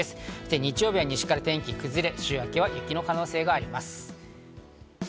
日曜日は西から天気が崩れ、週明けは雪の可能性があります。